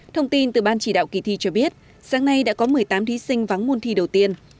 thông tin từ ban chỉ đạo kỳ thi cho biết sáng nay đã có một mươi tám thí sinh vắng môn thi đầu tiên